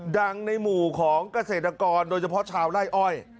ในหมู่ของเกษตรกรโดยเฉพาะชาวไล่อ้อย